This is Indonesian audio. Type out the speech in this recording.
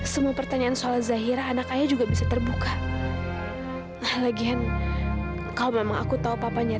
sampai jumpa di video selanjutnya